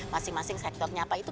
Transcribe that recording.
masing masing sektornya apa itu